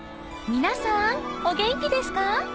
皆さんお元気ですか？